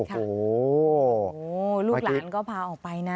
โอ้โหลูกหลานก็พาออกไปนะ